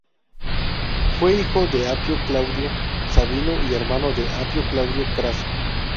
Fue hijo de Apio Claudio Sabino y hermano de Apio Claudio Craso.